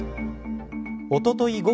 おととい